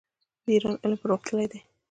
د ایران علم پرمختللی دی.